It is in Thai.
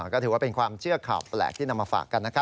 ก็ถือว่าเป็นความเชื่อข่าวแปลกที่นำมาฝากกันนะครับ